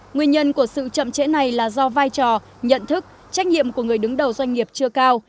nguyên nhân của sự chậm trễ này là do vai trò nhận thức trách nhiệm của người đứng đầu doanh nghiệp chưa cao